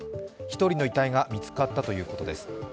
１人の遺体が見つかったということです。